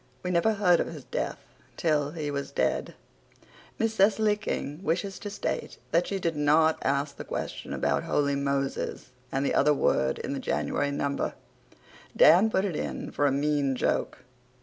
We never heard of his death till he was dead. Miss Cecily King wishes to state that she did not ask the question about "Holy Moses" and the other word in the January number. Dan put it in for a mean joke.